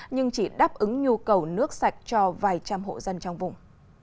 nhưng chỉ đáp ứng nhu cầu nước sạch cho vài trăm hộ dân trong vùng